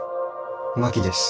真木です。